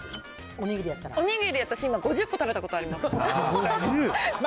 お握り、私、５０個食べたことあります。